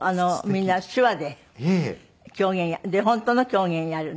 みんな手話で狂言本当の狂言やる。